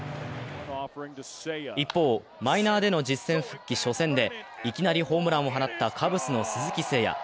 一方、マイナーでの実戦復帰初戦でいきなりホームランを放ったカブスの鈴木誠也。